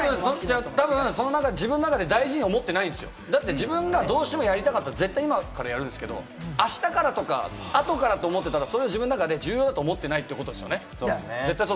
自分の中で大事に思ってないんですよ、自分がどうしてもやりたかったら、絶対今からやるんですけれど、あしたからとか、後からと思ったら、自分では重要だと思ってないってことですね。